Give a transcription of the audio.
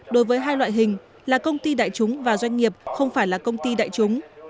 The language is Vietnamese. đối với hai loại hình là công ty đại chúng và doanh nghiệp không phải là công ty đại chúng